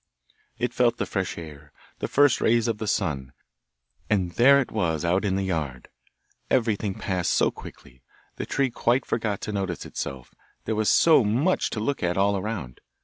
It felt the fresh air, the first rays of the sun, and there it was out in the yard! Everything passed so quickly; the tree quite forgot to notice itself, there was so much to look at all around.